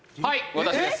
私です